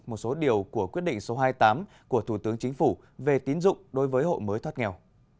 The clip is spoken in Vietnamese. một số điều của quyết định số hai mươi tám của thủ tướng chính phủ về tín dụng đối với hộ mới thoát nghèo